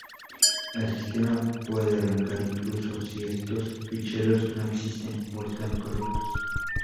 El sistema puede arrancar incluso si estos ficheros no existen o están corruptos.